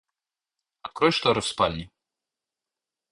Открой шторы в спальне.